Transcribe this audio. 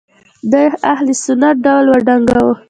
دوی اهل سنت ډول وډنګاوه